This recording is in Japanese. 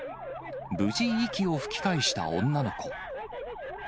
無事、息を吹き返した女の子。